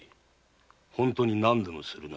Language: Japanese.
本当に何でもするな？